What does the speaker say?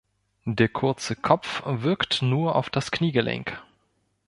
Der kurze Kopf wirkt nur auf das Kniegelenk.